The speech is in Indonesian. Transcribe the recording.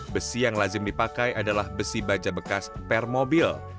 besi yang lazim dipakai adalah besi baja bekas per mobil